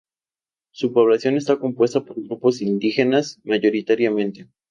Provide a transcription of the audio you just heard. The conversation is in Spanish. Su población está compuesta por grupos indígenas, mayoritariamente.